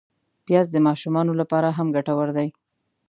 پیاز د ماشومانو له پاره هم ګټور دی